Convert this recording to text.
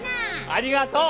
ありがとう！